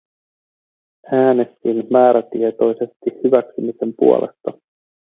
Äänestin määrätietoisesti hyväksymisen puolesta.